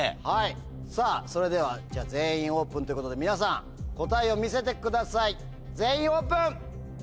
さぁそれでは全員オープンということで皆さん答えを見せてください全員オープン！